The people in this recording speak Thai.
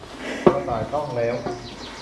กระต่ายต้องแร้ว